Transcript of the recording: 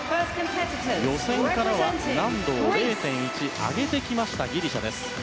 予選からは難度を０．１上げてきましたギリシャ。